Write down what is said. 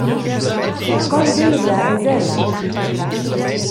Con veglia eis ella?